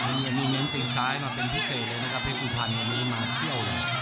มีเงินติดซ้ายมาเป็นพิเศษนะครับเพศุภัณฑ์นี้มาเที่ยว